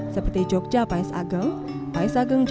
seperti yogyakarta yogyakarta yogyakarta yogyakarta yogyakarta